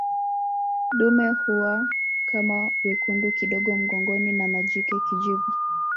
Dume huwa kama wekundu kidogo mgongoni na majike kijivu